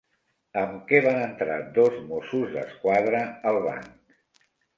Amb què van entrar dos Mossos d'Esquadra al banc?